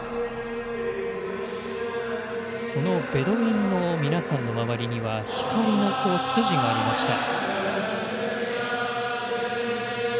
そのベドウィンの皆さんの周りには光の筋がありました。